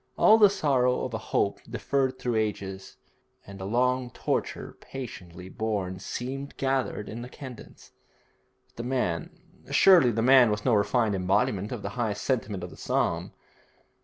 All the sorrow of a hope deferred through ages, and a long torture patiently borne, seemed gathered in the cadence; but the man surely the man was no refined embodiment of the high sentiment of his psalm!